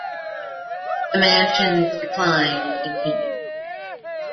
The mansion's decline continued.